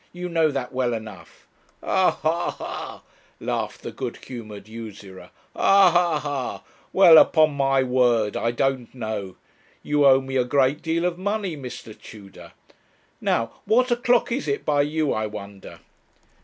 You know that well enough.' 'Ha ha ha,' laughed the good humoured usurer; 'ha ha ha well, upon my word I don't know. You owe me a great deal of money, Mr. Tudor. Now, what o'clock is it by you, I wonder?'